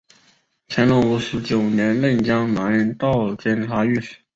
乾隆五十九年任江南道监察御史。